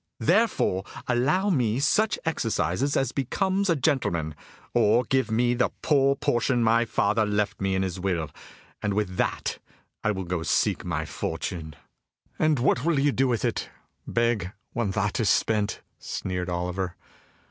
Therefore allow me such exercises as becomes a gentleman, or give me the poor portion my father left me in his will, and with that I will go seek my fortune." "And what will you do with it? Beg, when that is spent?" sneered Oliver.